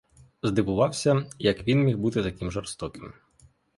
Здивувався, як він міг бути таким жорстоким.